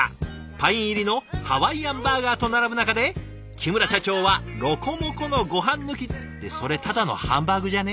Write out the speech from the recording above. パイン入りのハワイアンバーガーと並ぶ中で木村社長はロコモコのごはん抜きってそれただのハンバーグじゃね？